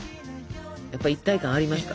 やっぱ一体感ありますか？